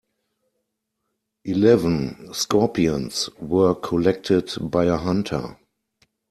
Eleven scorpions were collected by a hunter.